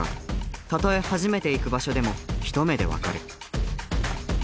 たとえ初めて行く場所でも一目で分かる。